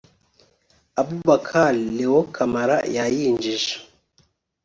Aboubacar Leo Camara yayinjije